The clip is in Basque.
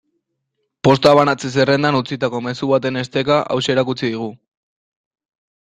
Posta banatze-zerrendan utzitako mezu batean esteka hauxe erakutsi digu.